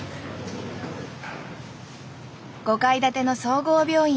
５階建ての総合病院。